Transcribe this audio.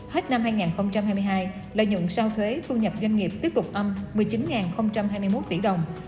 hết năm hai nghìn hai mươi hai lợi nhuận sau thuế thu nhập doanh nghiệp tiếp tục âm một mươi chín hai mươi một tỷ đồng